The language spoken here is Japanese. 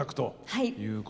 はい。